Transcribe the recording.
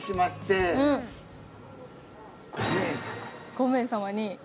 ５名様に。